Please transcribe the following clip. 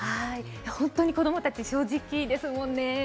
本当に子供たちって正直ですもんね。